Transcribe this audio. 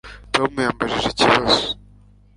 Tom yambajije ikibazo